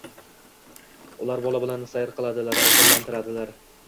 Ular bola bilan sayr qiladilar, ovqatlantiradilar